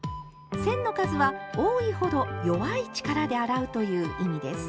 線の数は多いほど弱い力で洗うという意味です。